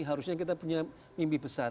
harusnya kita punya mimpi besar